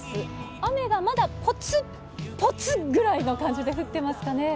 雨がまだぽつっぽつぐらいな感じで降ってますかね。